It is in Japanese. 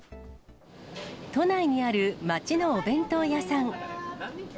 都内にある町のお弁当屋さん。